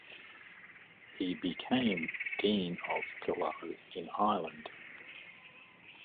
He became Dean of Killaloe, in Ireland.